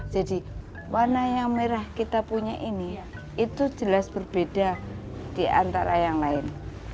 jadi warna yang merah kita punya ini itu jelas berbeda di antara yang lain